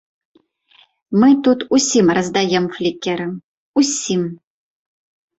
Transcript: Мы тут усім раздаем флікеры, усім!